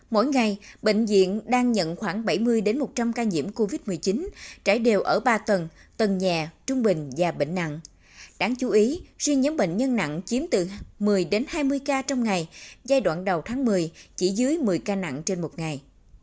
mỗi ngày bệnh viện đang nhận khoảng bảy mươi một trăm linh ca nhiễm covid một mươi chín trải đều ở ba tầng tầng nhà trung bình và bệnh nặng đáng chú ý riêng nhóm bệnh nhân nặng chiếm từ một mươi đến hai mươi ca trong ngày giai đoạn đầu tháng một mươi chỉ dưới một mươi ca nặng trên một ngày